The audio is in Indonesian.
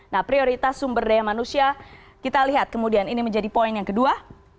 nah prioritas sumber daya manusia kita lihat kemudian ini menjadi poin yang kedua